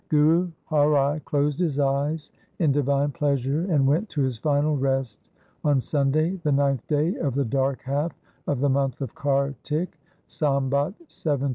Guru Har Rai closed his eyes in divine pleasure and went to his final rest on Sunday the ninth day of the dark half of the month of Kartik, Sambat 1718 (a.